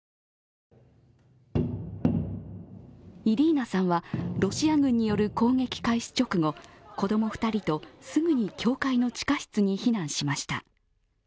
イリーナさんはロシア軍による攻撃開始直後、子供２人とすぐに教会の地下室に避難しました。